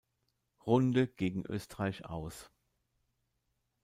Runde gegen Österreich aus.